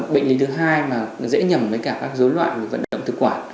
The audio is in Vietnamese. bệnh lý thứ hai mà dễ nhầm với các dối loạn vận động thực quản